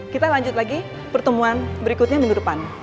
kita lanjut lagi pertemuan berikutnya minggu depan